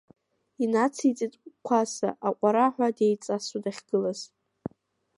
Инациҵеит Қәаса аҟәараҳәа деиҵасуа дахьгылаз.